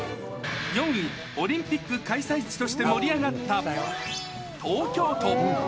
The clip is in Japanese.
４位、オリンピック開催地として盛り上がった東京都。